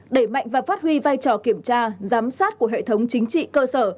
đẩy mạnh và phát huy vai trò kiểm tra giám sát của hệ thống chính trị cơ sở